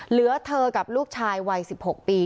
เหลือเธอกับลูกชายวัย๑๖ปี